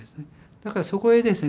だからそこへですね